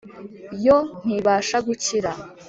"yoo! ntibashaka gukira,